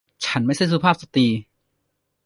ฉันไม่ใช่สุภาพสตรี